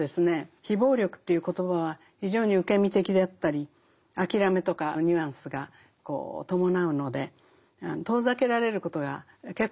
非暴力という言葉は非常に受け身的であったり諦めとかニュアンスが伴うので遠ざけられることが結構あるんですね。